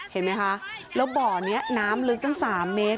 เห็นไหมคะแล้วบ่อนี้น้ำลึกตั้ง๓เมตร